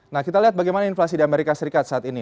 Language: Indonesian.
nah kita lihat bagaimana inflasi di amerika serikat saat ini